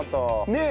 ねえ。